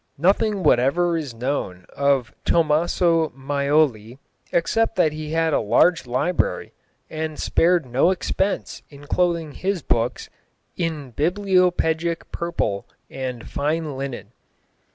Nothing whatever is known of Thomasso Maioli, except that he had a large library and spared no expense in clothing his books in bibliopegic purple and fine linen.